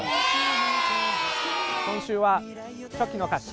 今週はチョキの勝ち。